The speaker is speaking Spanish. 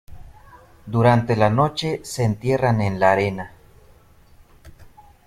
Durante la noche se entierran en la arena.